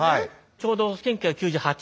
ちょうど１９９８年。